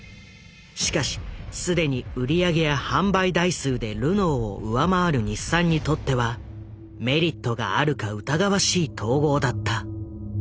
しかしすでに売り上げや販売台数でルノーを上回る日産にとってはメリットがあるか疑わしい統合だった。